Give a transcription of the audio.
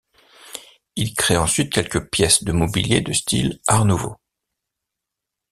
Il crée ensuite quelques pièces de mobiliers de style Art nouveau.